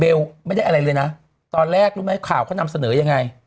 ไม่ได้อะไรเลยนะตอนแรกรู้ไหมข่าวเขานำเสนอยังไง